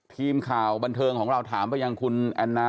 ทีมข่าวบันเทิงของเราถามไปยังคุณแอนนา